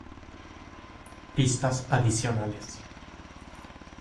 Pistas adicionales